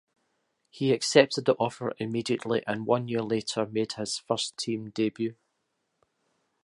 He accepted the offer immediately and one year later made his first team debut.